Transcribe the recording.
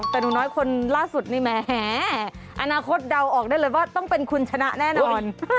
แต่หนูน้อยคนล่าสุดนี่แหมอนาคตเดาออกได้เลยว่าต้องเป็นคุณชนะแน่นอน